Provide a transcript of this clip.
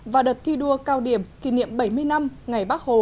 và đợt thi đua cao điểm kỷ niệm bảy mươi năm ngày bắc hồ